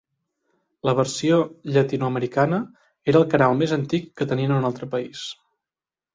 La versió llatinoamericana era el canal més antic que tenien en un altre país.